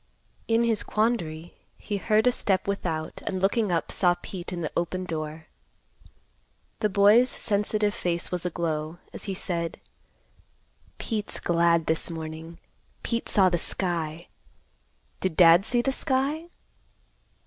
In his quandary, he heard a step without and looking up saw Pete in the open door. The boy's sensitive face was aglow, as he said; "Pete's glad this morning; Pete saw the sky. Did Dad see the sky?"